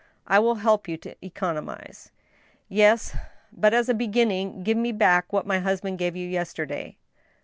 " I will help you to economize." " Yes. But as a beginning give me back what my husband gave you yesterday."